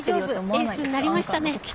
エースになりましたね。